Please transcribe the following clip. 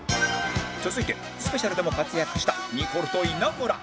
続いてスペシャルでも活躍したニコルと稲村